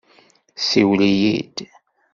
Siwel-iyi-d!